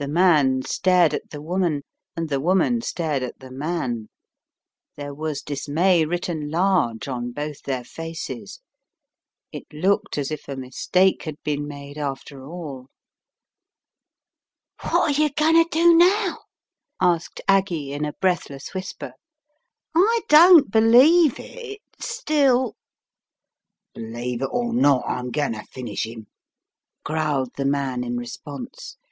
9 The man stared at the woman and the woman stared at the man. There was dismay written large on both their faces. It looked as if a mistake had been made after all. "What are you going to do now?" asked Aggie in a breathless whisper. "I don' I believe it — still " "Believe it or not, I'm going to finish him," growled the man in response.